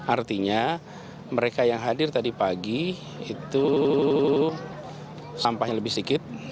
artinya mereka yang hadir tadi pagi itu sampahnya lebih sedikit